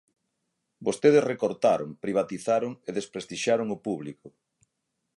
Vostedes recortaron, privatizaron e desprestixiaron o público.